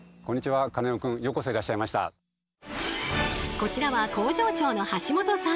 こちらは工場長の橋本さん。